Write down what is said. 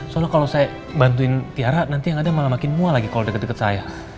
soalnya kalau saya bantuin tiara nanti yang ada malah makin mual lagi kalau deket deket saya